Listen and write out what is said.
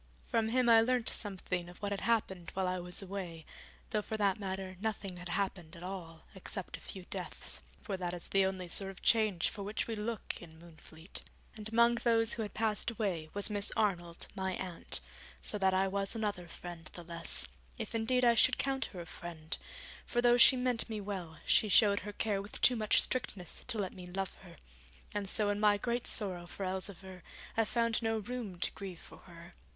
From him I learnt something of what had happened while I was away, though for that matter nothing had happened at all, except a few deaths, for that is the only sort of change for which we look in Moonfleet. And among those who had passed away was Miss Arnold, my aunt, so that I was another friend the less, if indeed I should count her a friend: for though she meant me well, she showed her care with too much strictness to let me love her, and so in my great sorrow for Elzevir I found no room to grieve for her.